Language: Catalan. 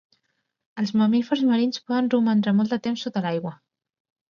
Els mamífers marins poden romandre molt de temps sota l'aigua.